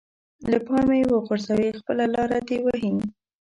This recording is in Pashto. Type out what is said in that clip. له پامه يې وغورځوي خپله لاره دې وهي.